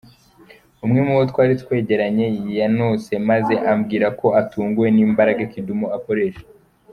Umwe mu bo twari twegeranye yanoshe maze ambwira ko ‘atunguwe n’imbaraga Kidum akoresha’.